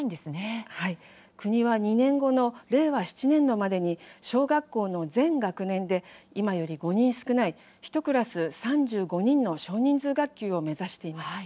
国は２年後の令和７年度までに小学校の全学年で今より５人少ない１クラス３５人の少人数学級を目指しています。